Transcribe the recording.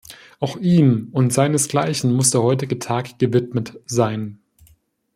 Auch ihm und Seinesgleichen muss der heutige Tag gewidmet sein.